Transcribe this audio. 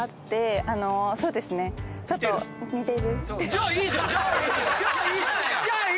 じゃあいいじゃん！